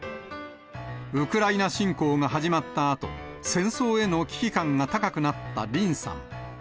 ウクライナ侵攻が始まったあと、戦争への危機感が高くなった林さん。